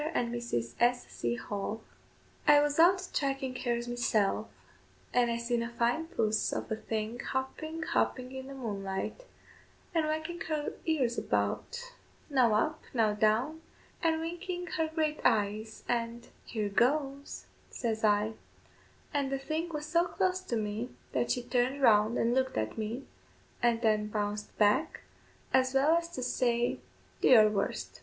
AND MRS. S. C. HALL. I was out thracking hares meeself, and I seen a fine puss of a thing hopping, hopping in the moonlight, and whacking her ears about, now up, now down, and winking her great eyes, and "Here goes," says I, and the thing was so close to me that she turned round and looked at me, and then bounced back, as well as to say, do your worst!